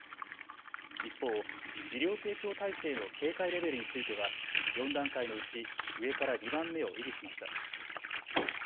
一方、医療提供体制の警戒レベルについては４段階のうち上から２番目を維持しました。